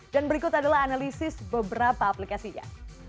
dan berikut adalah analisis beberapa aplikasinya